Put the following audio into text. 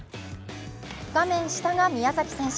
画面下が宮崎選手。